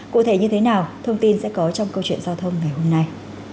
cụ thể như thế nào thông tin sẽ có trong câu chuyện giao thông ngày hôm nay